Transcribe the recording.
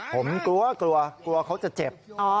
ผมกลัวกลัวเขาจะเจ็บ